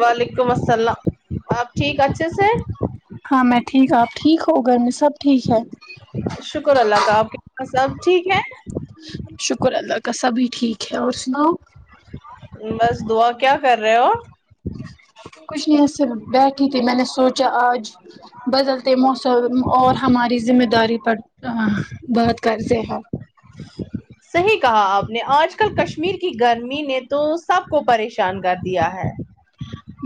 وعلیکم السلام آپ ٹھیک اچھے سے ہاں میں ٹھیک آپ ٹھیک ہو گھر میں سب ٹھیک ہے شکر اللہ کا اپ کے پاس سب ٹھیک ہے شکر اللہ کا سبھی ٹھیک ہے اور سناؤ بس دعا کیا کر رہے ہو کچھ نہی صرف بیٹھی تھی میں نے سوچا آج بدلتے موسم اور ہماری ذمہ داری پر بات کرتے ہیں صحیح کہا اپ نے اج کل کشمیر کی گرمی نے تو سب کو پریشان کر دیا ہے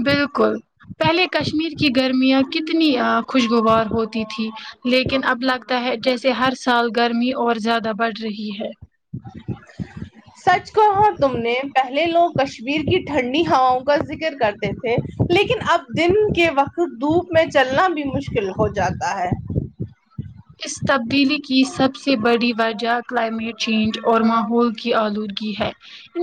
بالکل پہلے کشمیر کی گرمیاں کتنی خوشگوار ہوتی تھی لیکن اب لگتا ہے جیسے ہر سال گرمی اور زیادہ بڑھ رہی ہے سچ کو ہو تم نے پہلے لوگ کشمیر کی ٹھنڈی ہواؤں کا ذکر کرتے تے تھے لیکن اب دن کے وقت دھوپ میں چلنا بھی مشکل ہو جاتا ہے اس تبدیلی کی سب سے بڑی وجہ کلائمیٹ چینج اور ماحول کی آلودگی کی ہے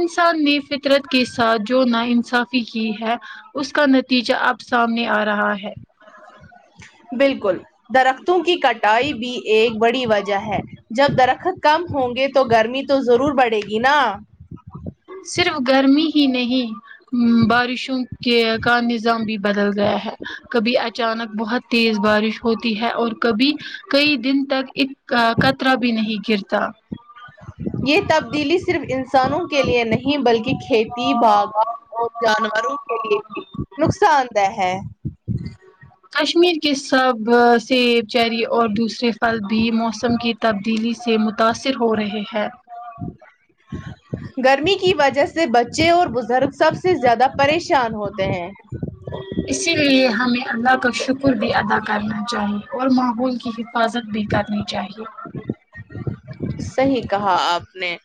انسان نے فطرت کے ساتھ جو نا انصافی کی ہے اس کا نتیجہ اب سامنے آ رہا ہے بالکل درختوں کی کٹائی بھی ایک بڑی وجہ ہے جب درخت کم ہوں گے تو گرمی تو ضرور بڑھے گی نا صرف گرمی ہی نہیں بارشوں کے کا نظام بھی بدل گیا ہے کبھی اچانک بہت تیز بارش ہوتی ہے اور کبھی کئی دن تک ایک کطرا بھی نہیں گرتا یہ تبدیلی صرف انسانوں کے لیے نہیں بلکہ کھیتی باغ اور جانوروں کے لیے نقصان دہ ہے کشمیر کے سب جی چری اور دوسرے پھل بھی موسم کی تبدیلی سے متاثر ہو رہے ہے [inaudible] گرمی کی وجہ سے بچے اور بزرگ سب سے زیادہ پریشان ہوتے ہیں اسی لیے ہمیں اللہ کا شکر بھی ادا کرنا چاہیے اور ماحول کی حفاظت بھی کرنی چاہیے صحیح کہا اپ نے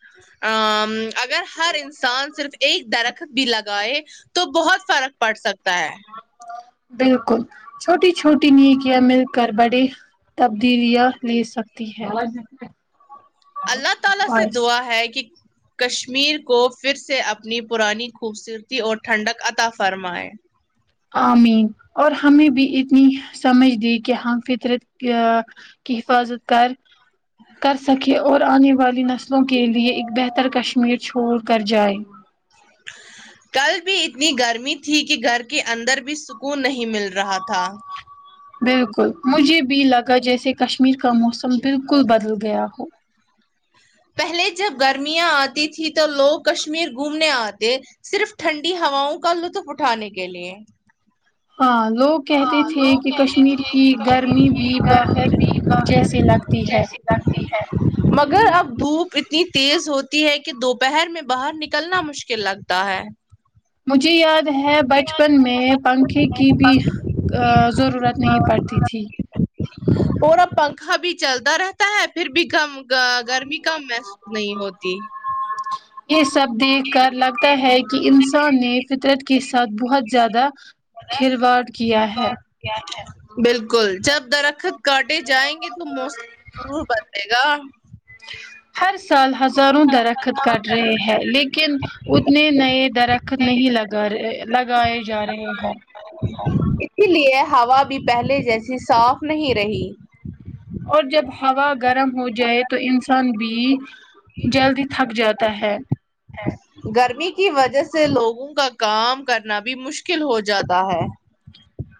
ہا اگر ہر انسان صرف ایک درخت بھی لگائے تو بہت فرق پڑ سکتا ہے بالکل چھوٹی چھوٹی نیکیا مل کر بڑے تبدیلیاں لے سکتی ہیں اللہ تعالی سے دعا ہے کہ کشمیر کو پھر سے اپنی پرانی خوبصورتی اور ٹھنڈک عطا فرمائیں آمین اور ہمیں بھی اتنی سمجھ دی کہ ہم فطرت کہ حفاظت کر کر سکے اور آنے والی نسلوں کے لیے ایک بہتر کشمیر چھوڑ کر جائے کل بھی اتنی گرمی تھی کہ گھر کے اندر بھی سکون نہیں مل رہا تھا بالکل مجھے بھی لگا جیسے کشمیر کا موسم بالکل بدل گیا ہو پہلے جب گرمیاں آتی تھی تو لوگ کشمیر گھومنے آتے صرف ٹھنڈی ہواؤں کا لطف اٹھانے کے لیے ہاں لوگ کہتے تھے کہ کشمیر کی گرمی بھی باہر جیسی لگتی ہے مرضی ہے مگر اب دھوپ اتنی تیز ہوتی ہے کہ دوپہر میں باہر نکلنا مشکل لگتا ہے مجھے یاد ہے بچپن میں پنکھے کی بھی ا ضرورت نہیں پڑتی تھی اور اب پنکھا بھی چلتا رہتا ہے پھر بھی کم گا گرمی کم محسوس نہیں ہوتی یہ سب دیکھ کر لگتا ہے کہ انسان میں فطرت کے ساتھ بہت زیادہ کھلواڑ کیا ہے بالکل جب درخت کاٹے جائیں گے تو موسم وہ بتے گا ہر سال ہزاروں درخت کرٹ رہے ہے لیکن اتنے نئے درخت نہیں لگا رہے لگائے جا رہے ہیں اسی لیے ہوا بھی پہلے جیسی صاف نہیں رہی اور جب ہوا گرم ہو جائے تو انسان بھی جلدی تھک جاتا ہے گرمی کی وجہ سے لوگوں کا کام کرنا بھی مشکل ہو جاتا ہے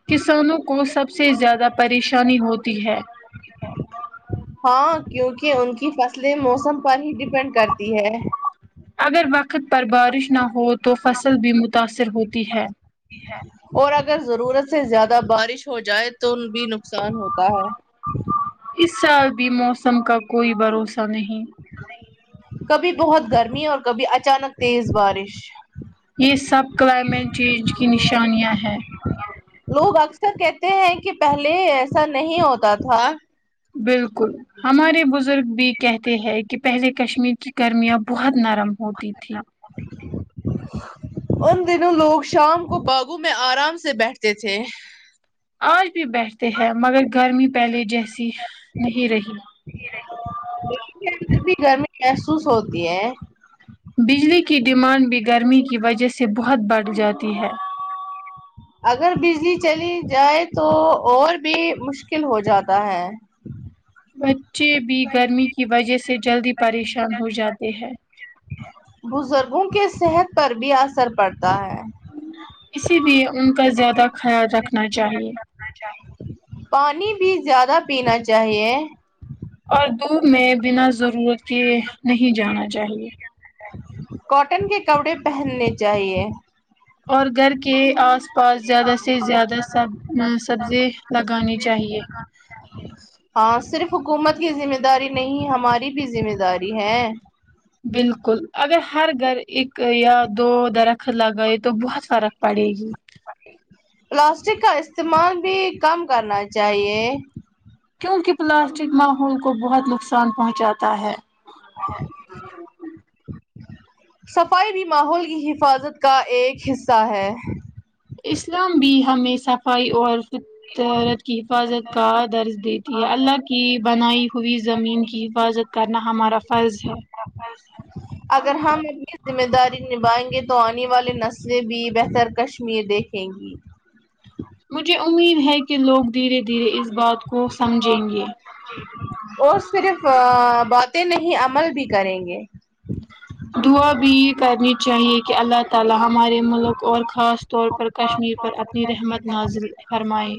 کسانوں کو سب سے زیادہ پریشانی ہوتی ہے ایک ہاں کیونکی ان کی فصلیے موسم پر ہی ڈپینڈ کرتی ہے اگر وقت پر بارش نہ ہو تو فصل بھی متاثر ہوتی ہے اور اگر ضرورت سے زیادہ بارش ہو جائے تو بھی نقصان ہوتا ہے اس سال بھی موسم کا کوئی بھروسہ نہیں کبھی بہت گرمی اور کبھی اچانک تیز بارش یہ سب کلائمیٹ چینج کی نشانیاں ہیں لوگ اکثر کہتے ہیں کہ پہلے ایسا نہیں ہوتا تھا بالکل ہمارے بزرگ بھی کہتے ہیں کہ پہلے کشمیر کی گرمیاں بہت نرم ہوتی تھی ان دنوں لوگ شام کو باغوں میں آرام سے بیٹھتے تھے اج بھی بیٹھتے ہیں مگر گرمی پہلے جیسی نہیں رہی دین کہ اندر بھی گرمی محسوس ہوتی ہے بجلی کی ڈیمانڈ بھی گرمی کی وجہ سے بہت بڑھ جاتی ہے اگر بجلی چلی جائے تو اور بھی مشکل ہو جاتا ہے بچے بھی گرمی کی وجہ سے جلدی پریشان ہو جاتے ہیں بزرگوں کے صحت پر بھی اثر پڑتا ہے اسی لیے ان کا زیادہ خیال رکھنا چاہیے پانی بھی زیادہ پینا چاہیے اور دور میں بنا ضرورت کے نہیں جانا چاہیے کاٹن کے کپڑے پہننے چاہیے اور گھر کے اس پاس زیادہ سے زیادہ سب سبزی لگانی چاہیے [unintelligible] ہاں صرف حکومت کی ذمہ داری نہیں ہماری بھی ذمہ داری ہے بالکل اگر ہر گھر ایک یا دو درخت تو لگایئ تو بہت فرق پڑے گی پلاسٹک کا استعمال بھی کم کرنا چاہیے کیوںکہ پلاسٹک مرحوم کو بہت نقصان پہنچاتا ہے [inaudible] صفائی بھی ماحول کی حفاظت کا ایک حصہ ہے اسلام بھی ہمیں صفائی اور فطرت کی حفاظت کا درج دیتی ہے اللہ کی کی بنائی ہوئی زمین کی حفاظت کرنا ہمارا فرض ہے اگر ہم ذمہ داری نبھائیں گے تو آنے والی نسلیں بھی بہتر کشمیر دیکھیں گی مجھے امید ہے کہ لوگ دھیرے دھیرے اس بات کو بات سمجھیں کو گے اور صرف باتیں نہیں عمل بھی کریں گے دعا بھی یہ کرنی چاہیے کہ اللہ تعالی ہمارے ملک اور خاص طور پر کشمیر پر اپنی رحمت نازل فرمائے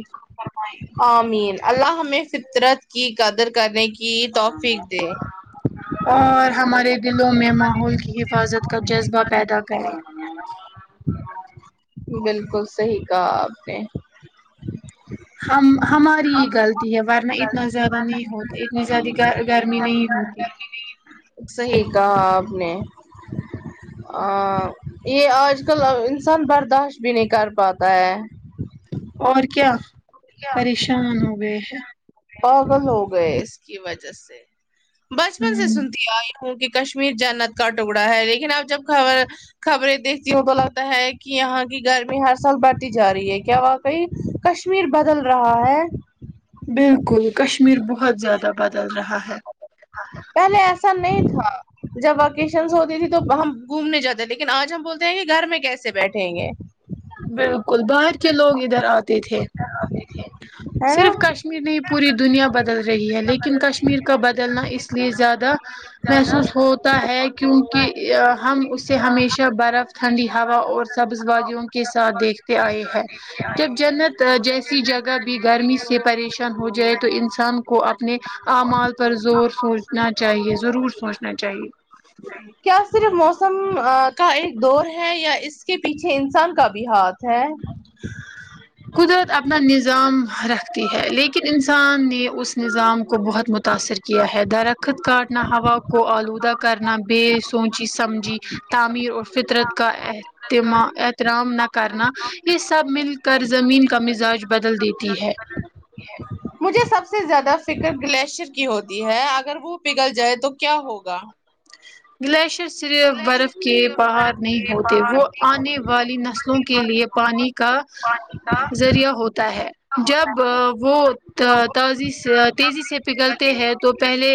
آمین اللہ ہمیں فطرت کی قدر کرنے کی توفیق دے اور ہمارے دلوں میں ماحول کی حفاظت کا جذبہ پیدا کریں بالکل صحیح کہا آپ نے ہم ہماری ہی غلطی ہے ورنہ اتنا زیادہ نہیں ہوتا اتنی زیادہ گ گرمی نہیں ہوتی صحیح کہا آپ نے ا یہ آج کل انسان برداشت بھی نہیں کر پاتا ہے اور کیا پریشان ہو گئے ہیں پاگل ہو گئے اس کی وجہ سے بچپن سے ہوں سنتی آئی ہوں کہ کشمیر جنت کا ٹکڑا ہے لیکن اب جب خبر خبریں دیکھتی ہوں تو لگتا ہے کہ یہاں کی گرمی ہر سال بڑھتی جا رہی ہے کیا و بھائی کشمیر بدل رہا ہے بالکل کشمیر بہت زیادہ بدل رہا ہے پہلے ایسا نہیں تھا جب ویکیشنس ہوتی تھی تو ہم گھومنے جاتے تھے لیکن آج ہم بولتے ہیں کہ گھر میں کیسے بیٹھیں گے بالکل باہر کے لوگ ادھر آتے تھے ہاں دیکھے صرف کش ابی بھی پوری دنیا بدل رہی ہے لیکن کشمیر کا بدلنا اس لیے زیادہ محسوس ہوتا ہے کیونکہ ہم اس سے ہمیشہ برف ٹھنڈی ہوا اور سبز وادیوں کے ساتھ دیکھتے آئے ہیں جب جنت جی کسی جگہ بھی گرمی سے پریشان ہو جائے تو انسان کو اپنے اعمال پر زور سوچنا چاہیے ضرور سوچنا چاہیے کیا صرف موسم کا ایک دور ہے یا اس کے پیچھے انسان کا بھی ہاتھ ہے قدرت اپنا نظام رکھتی ہے لیکن انسان نے اس نظام کو بہت متاثر کیا ہے درخت کاٹنا ہوا کو آلودہ کرنا بھی سوچی سمجھی تعمیر اور فطرت کا تم احترام نہ کرنا یہ سب مل کر زمین کا مزاج بدل دیتی ہے مجھے سب سے زیادہ فکر گلیشر کی ہوتی ہے اگر وہ پگھل جائے تو کیا ہوگا گلیشر صرف برف کے پہاڑ نہیں ہوتے وہ آنے والی نسلوں کے لیے پانی کا ذریعہ ہوتا ہے جب وہ تازی سے تیزی سے پگلتے ہیں تو پہلے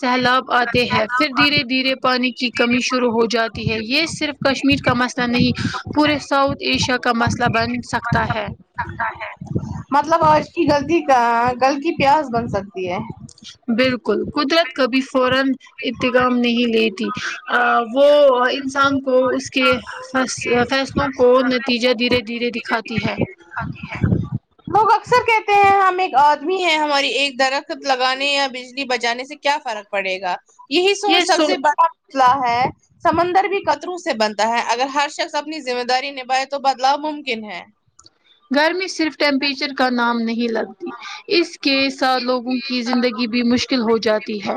سہلاب آتے ہیں پھر دھیرے دھیرے پانی کی کمی شروع ہو جاتی ہے یہ صرف کشمیر کا مسئلہ نہیں پورے ساؤتھ ایشیا کا مسئلہ بن سکتا ہے سکتا ہے مطلب اج کی غلطی کل کی پیاز بن سکتی ہے بالکل قدرت کبھی فورا اتظام نہیں لیتی [unintelligible] وہ انسان کو اس کے فیصلوں کو نتیجہ دھیرے دھیرے نتیجہ دھیرے دکھاتی ہے دھیرے دکھاتی ہے اکثر کہتے ہیں ہم ایک آدمی ہیں ہماری ایک درخت لگانے یا بجلی بجانے سے کیا فرق پڑے گا یہی سوچ یہ سب سو سے بڑا مسئلہ ہے سمندر بھی کترو سے بنتا ہے اگر ہر شخص اپنی ذمہ داری نبھائے تو بدلاؤ ممکن ہے گھر میں صرف ٹیمپریچر کا نام نہیں لگتی اس کے ساتھ لوگوں کی زندگی بھی مشکل مشکل ہو جاتی ہے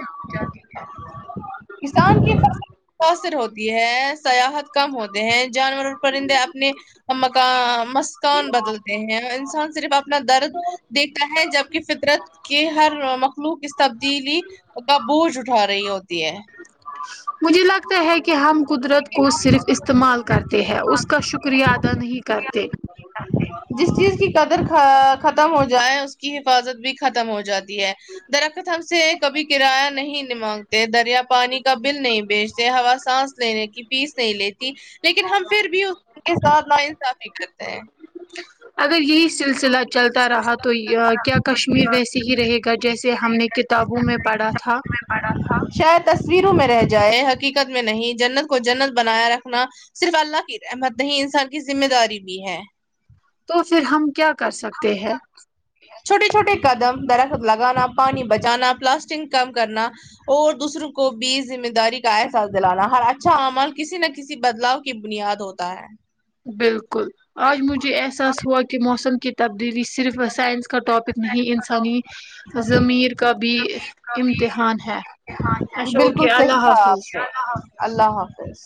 کسان کی فصل متاثر ہوتی ہے سیاحت کم ہوتے ہیں جانور اور پرندے اپنے مکان مسکان بدلتے ہیں انسان صرف اپنا درد دیکھتا ہے جبکہ فطرت کے ہر مخلوق اس تبدیلی کا بوجھ اٹھا رہی ہوتی ہے مجھے لگتا ہے کہ ہم قدرت کو صرف استعمال کرتے ہیں اس کا شکریہ ادا نہیں کرتے جس چیز کی قدر ختم ہو جائے اس کی حفاظت بھی ختم ہو جاتی ہے درخت ہم سے کبھی کرایہ نہیں مانگتے دریا پانی کا بل نہیں بیچتےہیں ہوا سانس لینے کی فیس نہیں لیتی لیکن ہم پھر بھی اس کے ساتھ نا انصافی کرتے ہیں اگر یہی سلسلہ چلتا رہا تو یہ کیا کشمیر ویسے ہی رہے گا جیسے ہم نے کتابوں میں پڑھا تھا شاید تصویروں میں رہ جائے حقیقت میں نہیں جنت کو جنت بنایا رکھنا صرف اللہ کی رحمت نہیں انسان کی ذمہ داری بھی ہے تو پھر ہم کیا کر سکتے ہیں چھوٹے چھوٹے قدم درخت لگانا، پانی بچانا، پلاسٹک کم کرنا اور دوسروں کو بھی ذمہ داری کا احساس دلانا ہر اچھا اعمال کسی نہ کسی بدلاؤ کی بنیاد ہوتا ہے بالکل آج مجھے احساس ہوا کہ موسم کی تبدیلی صرف سائنس کا ٹاپک نہیں انسانی ضمیر کا بھی امتحان ہے اچھا اوکے بالکل صحیح اللہ کہا آپ حافظ نے اللہ حافظ